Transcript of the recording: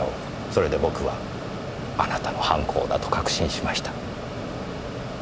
それで僕はあなたの犯行だと確信しました。